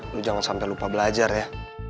lo jangan sampe lupa belajar ya